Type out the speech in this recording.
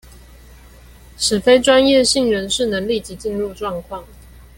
使非專業性人士能立即進入狀況